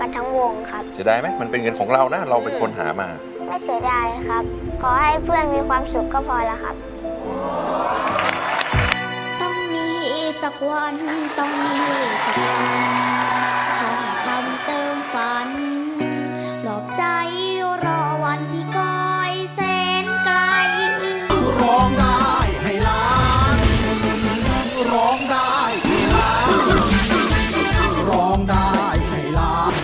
หลอกใจรอวันที่ก้อยเซนไกล